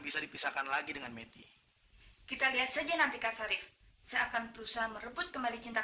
bisa dipisahkan lagi dengan meti kita lihat saja nanti ksarif seakan berusaha merebut kembali cinta